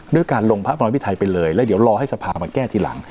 ด้วยการลงพระบรมพิไทยไปเลยแล้วเดี๋ยวรอให้สภามาแก้ทีหลัง